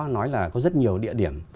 nói là có rất nhiều địa điểm